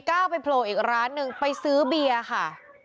ก้าวไปโผล่อีกร้านหนึ่งไปซื้อเบียร์ค่ะ